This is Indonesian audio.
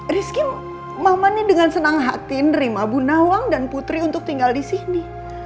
rizky mama dengan senang hati nerima bunawang dan putri untuk tinggal di sini